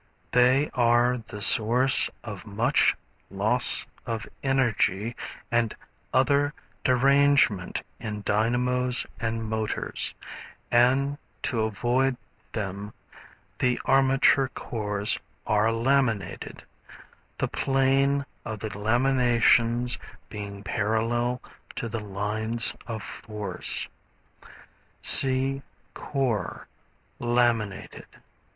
They are the source of much loss of energy and other derangement in dynamos and motors, and to avoid them the armature cores are laminated, the plane of the laminations being parallel to the lines of force. (See Core, Laminated.)